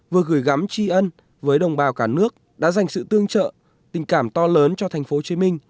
vừa gửi gắm chi ân với đồng bào cả nước đã dành sự tương trợ tình cảm to lớn cho thành phố hồ chí minh